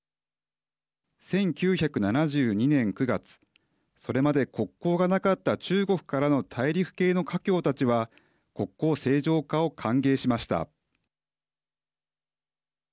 １９７２年９月それまで国交がなかった中国からの大陸系の華僑たちは国交正常化を歓迎しました。